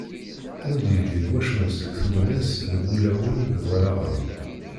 Ur d-yegri wacemma seg tugna-s deg wulawen d wallaɣen.